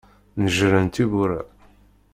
Neǧǧren tiwwura.